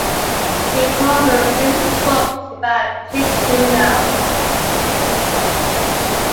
He coauthored several books about Jeet Kune Do.